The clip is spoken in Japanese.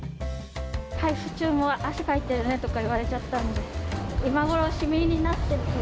配布中も汗かいてるねとか言われちゃったんで。